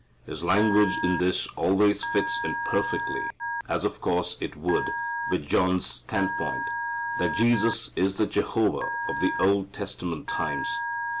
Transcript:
His language in this always fits in perfectly, as of course it would, with John's standpoint, that Jesus is the Jehovah of the Old Testament times.